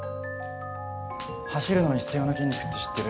走るのに必要な筋肉って知ってる？